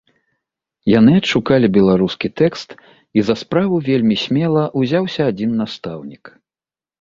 Яны адшукалі беларускі тэкст, і за справу вельмі смела ўзяўся адзін настаўнік.